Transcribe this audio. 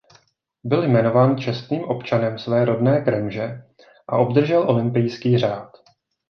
Byl jmenován čestným občanem své rodné Kremže a obdržel Olympijský řád.